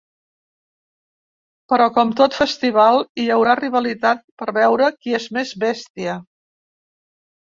Però com tot festival, hi haurà rivalitat per veure qui és més bèstia.